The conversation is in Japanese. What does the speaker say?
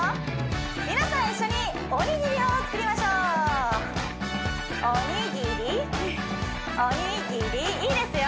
皆さん一緒におにぎりを作りましょうおにぎりおにぎりいいですよ